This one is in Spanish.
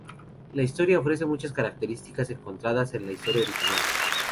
La historia ofrece muchas características encontradas en la historia original.